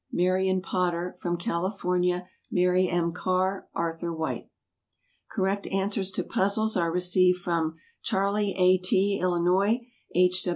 Marion Potter. From California Mary M. Carr, Arthur White. Correct answers to puzzles are received from Charlie A. T., Illinois; H.